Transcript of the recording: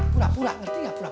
purwora ngerti enggak